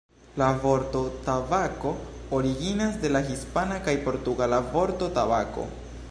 La vorto tabako originas de la hispana kaj portugala vorto "tabako".